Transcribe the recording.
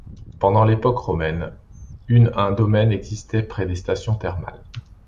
Pendant l'époque romaine, une un domaine existait près des stations thermales.